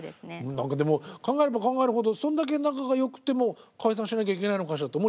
何かでも考えれば考えるほどそんだけ仲がよくても解散しなきゃいけないのかしらって思っちゃいますね。